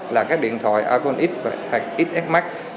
là các điện thoại iphone x hoặc iphone xs max